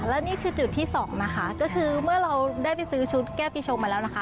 และนี่คือจุดที่สองนะคะก็คือเมื่อเราได้ไปซื้อชุดแก้ปีชงมาแล้วนะคะ